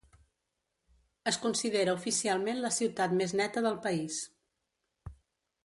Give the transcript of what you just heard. Es considera oficialment la ciutat més neta del país.